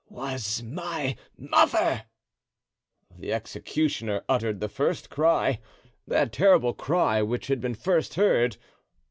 "Was my mother!" The executioner uttered the first cry, that terrible cry which had been first heard.